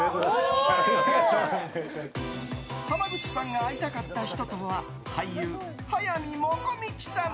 濱口さんが会いたかった人とは俳優・速水もこみちさん。